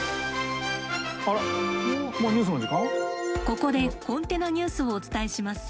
ここでコンテナニュースをお伝えします。